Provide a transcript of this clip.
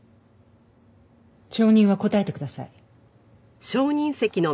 証人は答えてください。